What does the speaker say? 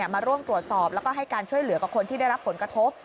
มาร่วมตรวจสอบแล้วก็ให้การช่วยเหลือกับคนที่ได้รับผลกระทบ